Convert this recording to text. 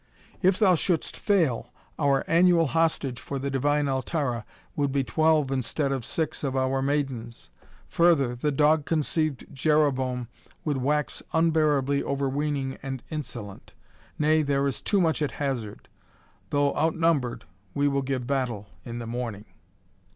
If thou shouldst fail, our annual hostage for the divine Altara would be twelve instead of six of our maidens. Further, the dog conceived Jereboam would wax unbearably overweening and insolent. Nay, there is too much at hazard! Though outnumbered we will give battle in the morning."